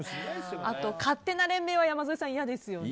勝手な連名は山添さん、嫌ですよね。